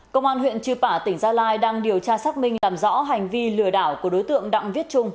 công an huyện chư pả tỉnh gia lai đang điều tra xác minh làm rõ hành vi lừa đảo của đối tượng đặng viết trung